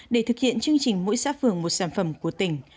để thực hiện chương trình mỗi xã phường một sản phẩm của tỉnh